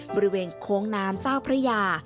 บริเวณโค้งน้ำเจ้าพระยา